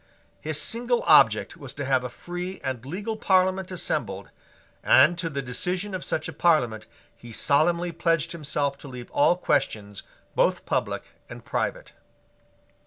His single object was to have a free and legal Parliament assembled: and to the decision of such a Parliament he solemnly pledged himself to leave all questions both public and private.